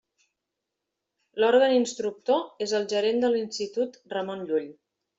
L'òrgan instructor és el gerent de l'Institut Ramon Llull.